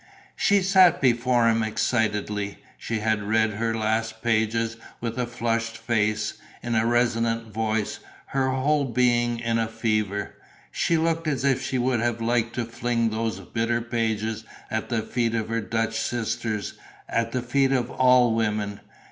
She sat before him excitedly. She had read her last pages with a flushed face, in a resonant voice, her whole being in a fever. She looked as if she would have liked to fling those bitter pages at the feet of her Dutch sisters, at the feet of all women.